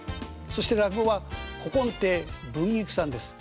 そして落語は古今亭文菊さんです。